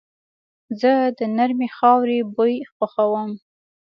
زه د نرمې خاورې بوی خوښوم.